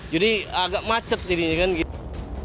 jadi agak macet jadinya kan gitu